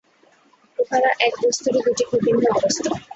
উহারা এক বস্তুরই দুইটি বিভিন্ন অবস্থা।